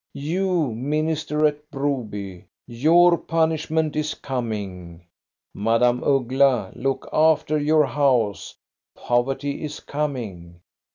You, minister at Broby, your pun ishment is coming! Madame Uggla, look after your house; poverty is coming!